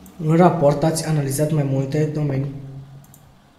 În raport ați analizat mai multe domenii.